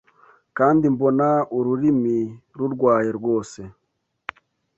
Kandi mbona ururimi rurwaye rwose